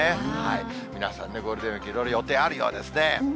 皆さんね、ゴールデンウィーク、いろいろ予定あるようですね。